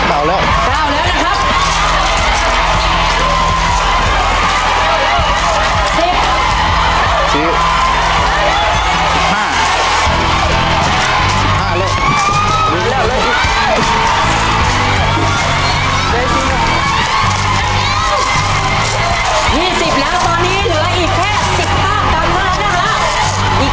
๒๐แล้วตอนนี้เหนืออีกแค่๑๙กรัมทวนอีกแค่๑๕กรัมนะครับ